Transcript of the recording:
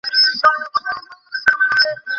তবে জাদু টোনাকে একটুও কম গুরুত্ব দেয় না মেক্সিকো।